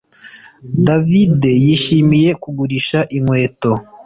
David yishimiye kugurisha inkweto